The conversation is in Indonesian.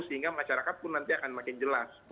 sehingga masyarakat pun nanti akan makin jelas